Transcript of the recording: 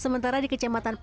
sementara di kecematan pakai